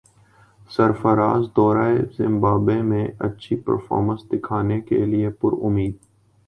سرفرازدورہ Zimbabwe میں اچھی performance دکھانے کیلئے پر امید